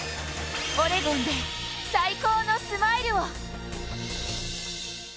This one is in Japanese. オレゴンで最高のスマイルを。